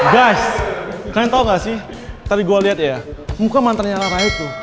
guys kalian tau gak sih tadi gue liat ya muka mantarnya apa itu